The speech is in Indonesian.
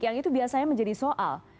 yang itu biasanya menjadi soal